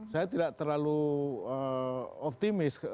saya tidak terlalu optimis